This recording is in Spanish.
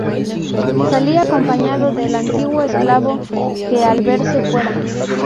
salí acompañado del antiguo esclavo, que, al verse fuera